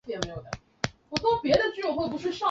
曾任中国人民解放军福建军区副司令员。